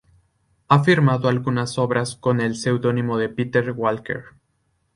Ha firmado algunas obras con el pseudónimo de Peter Walker.